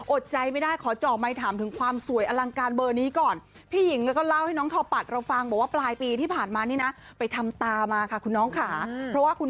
โอดใจไม่ได้ขอเจาะไมค์ถามถึงความสวยอลังการเบอร์นี้ก่อน